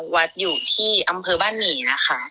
วัดอยู่ที่อำเภอบ้านหมี่นะคะ